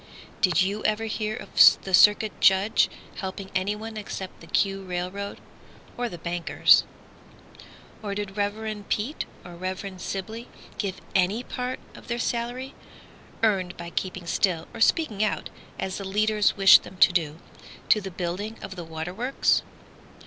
Did you ever hear of the Circuit Judge Helping anyone except the "Q" railroad, Or the bankers? Or did Rev. Peet or Rev. Sibley Give any part of their salary, earned by keeping still, Or speaking out as the leaders wished them to do, To the building of the water works?